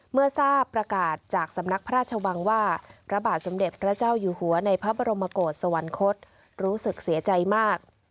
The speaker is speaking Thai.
เมื่อทราบประกาศจากสำนักพระราชวังว่าพระบาทสมเด็จพระเจ้าอยู่หัวในพระบรมโกศสวรรคตรู้สึกเสียใจมาก